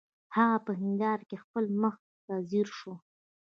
هغه په هنداره کې خپل مخ ته ځیر شو